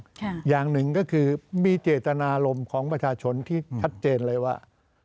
อย่างหนึ่งก็คือมีเจตนารมณ์ของประชาชนที่ชัดเจนเลยว่า